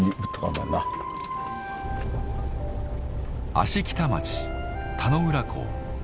芦北町田浦港。